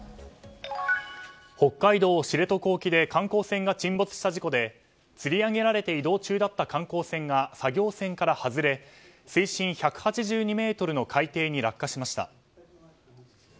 北海道知床沖で観光船が沈没した事故でつり上げられて移動中だった観光船が作業船から外れ水深１８２ｍの海底に落下しました。